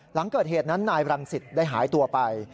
หลังเกิดเหตุนั้นนายบรังสิตได้หายตัวไป